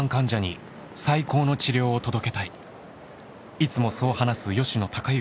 いつもそう話す吉野孝之